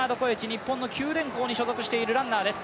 日本の九電工に所属しているランナーです。